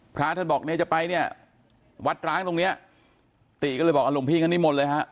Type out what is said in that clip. พระท่านบอกเนี่ยจะไปเนี่ยวัดร้างตรงเนี้ยติก็เลยบอกหลวงพี่ก็นิมนต์เลยฮะ